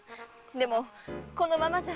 でもこのままじゃ。